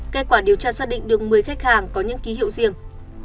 kết quả điều tra xác định được một mươi khách hàng có những ký hiệu riêng